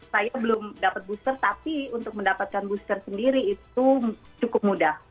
saya belum dapat booster tapi untuk mendapatkan booster sendiri itu cukup mudah